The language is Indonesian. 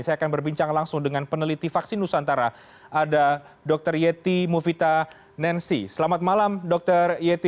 saya akan berbincang langsung dengan peneliti vaksin nusantara ada dr yeti mufita nansi selamat malam dr yeti